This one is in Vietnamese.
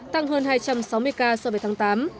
tăng hơn hai trăm sáu mươi ca so với tháng tám